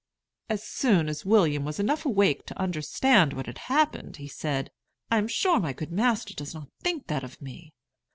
As soon as William was enough awake to understand what had happened, he said, "I am sure my good master does not think that of me."